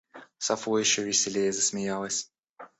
Сафо еще веселее засмеялась.